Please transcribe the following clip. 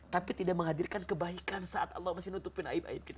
tapi tidak menghadirkan kebaikan saat allah masih nutupin aib aib kita